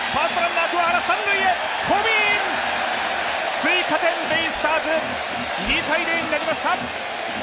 追加点、ベイスターズ、２−０になりました。